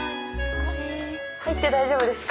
入って大丈夫ですか？